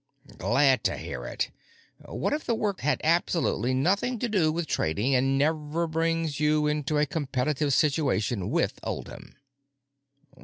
"Glad to hear it! What if the work had absolutely nothing to do with trading and never brings you into a competitive situation with Oldham?"